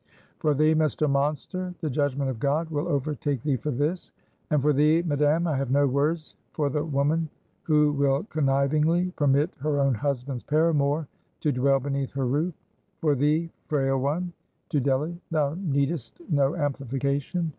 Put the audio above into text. For thee, Mr. Monster! the judgment of God will overtake thee for this. And for thee, madam, I have no words for the woman who will connivingly permit her own husband's paramour to dwell beneath her roof. For thee, frail one," (to Delly), "thou needest no amplification.